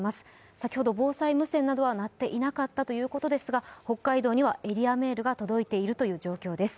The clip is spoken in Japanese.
先ほど防災無線は鳴っていなかったということですが北海道にはエリアメールが届いているという状況です。